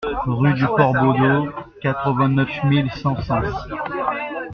Rue du Port Bodot, quatre-vingt-neuf mille cent Sens